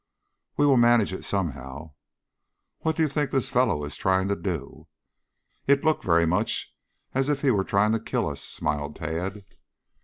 "We will manage it somehow." "What do you think this fellow is trying to do?" "It looked very much as if he were trying to kill us," smiled Tad.